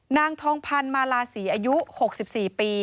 นางทองพันธ์มาลาศรีอายุ๖๔ปี